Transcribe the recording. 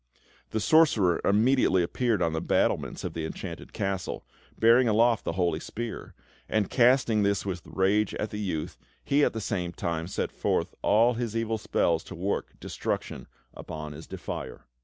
The sorcerer immediately appeared on the battlements of the Enchanted Castle, bearing aloft the holy spear; and, casting this with rage at the youth, he at the same time set forth his evil spells to work destruction upon his defier.